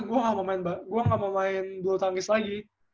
gue gak mau main bulu tangkis lagi